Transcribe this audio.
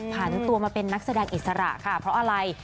ผันตัวมาเป็นนักแสดงอิสระค่ะเพราะอะไร